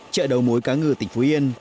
trợ đầu mối cá ngừ tỉnh phú yên